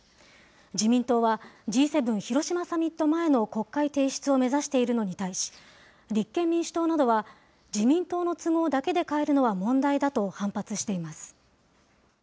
自民党はＧ７広島サミット前の国会提出を目指しているのに対し、立憲民主党などは、自民党の都合だけで変えるのは問題だと反発しています。